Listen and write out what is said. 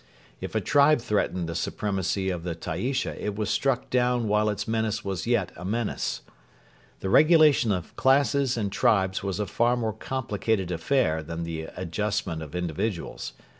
If a tribe threatened the supremacy of the Taaisha it was struck down while its menace was yet a menace. The regulation of classes and tribes was a far more complicated affair than the adjustment of individuals.